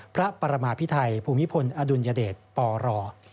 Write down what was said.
พระปรมาพิไทยภูมิพลอดุลยเดชปร